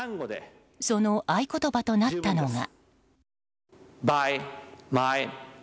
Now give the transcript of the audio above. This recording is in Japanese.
その合言葉となったのが。